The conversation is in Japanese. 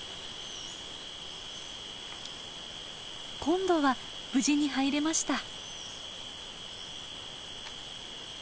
今度は無事に入れました。